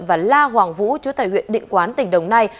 và la hoàng vũ chứa tại huyện định quán tỉnh đồng nai